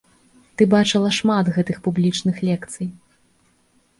Ты бачыла шмат гэтых публічных лекцый.